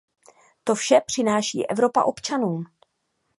To vše přináší Evropa občanům.